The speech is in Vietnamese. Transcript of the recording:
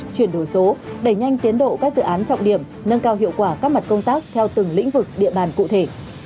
chuyển đổi số đẩy nhanh tiến độ các dự án trọng điểm nâng cao hiệu quả các mặt công tác theo từng lĩnh vực địa bàn cụ thể